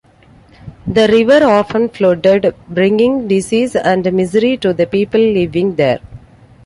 The river often flooded, bringing disease and misery to the people living there.